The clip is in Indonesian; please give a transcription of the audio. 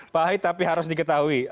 pahit tapi harus diketahui